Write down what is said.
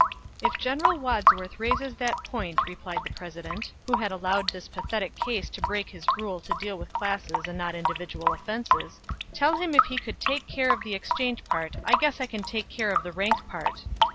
"If General Wadsworth raises that point," replied the President, who had allowed this pathetic case to break his rule to deal with classes and not individual offenses, "tell him if he could take care of the exchange part, I guess I can take care of the rank part!"